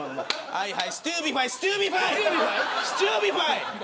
はいはい、ステューピファイステューピファイ。